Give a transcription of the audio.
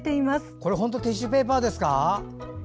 これ本当にティッシュペーパーですか！